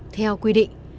theo quy định